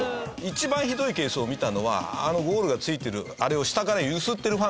一番ひどいケースを見たのはあのゴールがついてるあれを下から揺すってるファンがいた。